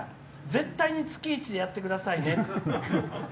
絶対に月１でやってくださいね」。